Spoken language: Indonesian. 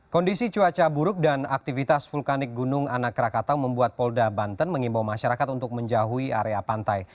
kondisi cuaca buruk dan aktivitas vulkanik gunung anak rakatau membuat polda banten mengimbau masyarakat untuk menjauhi area pantai